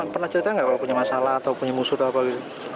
pernah cerita nggak kalau punya masalah atau punya musuh atau apa gitu